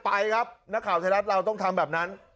ไปครับนักข่าวไทยรัฐเราต้องทำแบบนั้น